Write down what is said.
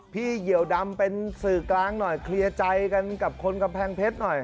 เหยียวดำเป็นสื่อกลางหน่อยเคลียร์ใจกันกับคนกำแพงเพชรหน่อย